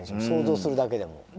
想像するだけでも。